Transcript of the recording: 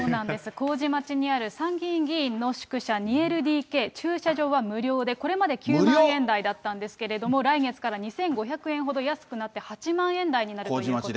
麹町にある参議院議員の宿舎、２ＬＤＫ、駐車場は無料で、これまで９万円台だったんですけれども、来月から２５００円ほど安くなって８万円台になるということ。